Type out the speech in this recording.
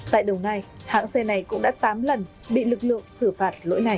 tại đồng nai hãng xe này cũng đã tám lần bị lực lượng xử phạt lỗi này